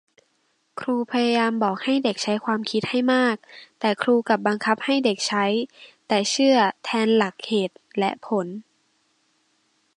ครูพยายามบอกให้เด็กใช้ความคิดให้มาก แต่ครูกลับบังคับให้เด็กใช้แต่เชื่อแทนหลักเหตุและผล